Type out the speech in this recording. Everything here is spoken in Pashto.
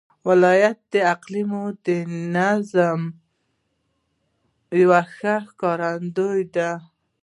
ولایتونه د اقلیمي نظام یو ښه ښکارندوی دی.